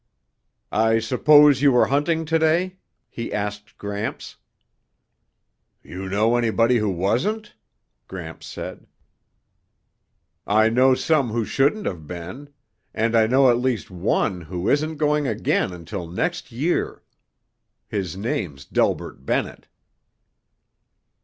"I suppose you were hunting today?" he asked Gramps. "You know anybody who wasn't?" Gramps said. "I know some who shouldn't have been, and I know at least one who isn't going again until next year. His name's Delbert Bennett."